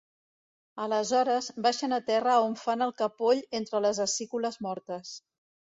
Aleshores, baixen a terra on fan el capoll entre les acícules mortes.